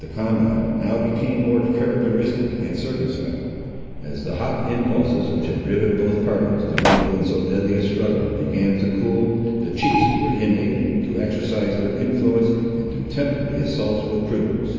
The combat now became more characteristic and circumspect. As the hot impulses, which had driven both parties to mingle in so deadly a struggle, began to cool, the chiefs were enabled to exercise their influence, and to temper the assaults with prudence.